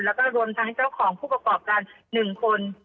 แล้วก็รวมทั้งเจ้าของผู้ประกอบการ๑คน